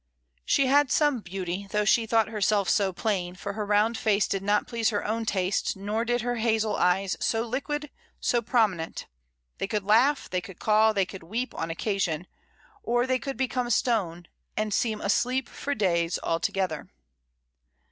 She had some beauty, though she thought herself so plain, for her round face did not please her own taste, nor did her hazel eyes so liquid, so prominent — they could laugh, they could call, they could weep on occasion, or they could become stone and seem asleep for days together.